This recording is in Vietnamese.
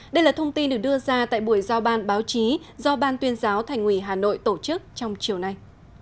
đây là thông tin được đưa ra tại buổi giao ban báo chí do ban tuyên giáo thành ủy hà nội tổ chức trong chiều nay